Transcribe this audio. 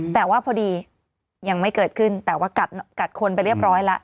แต่ว่าพอดียังไม่เกิดขึ้นแต่ว่ากัดคนไปเรียบร้อยแล้ว